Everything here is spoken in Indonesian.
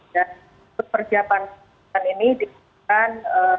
dan persiapan penjemputan ini diperlukan